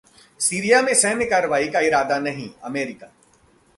Syria में सैन्य कार्रवाई का इरादा नहीं: अमेरिका